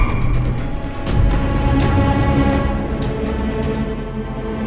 eh saya udah debit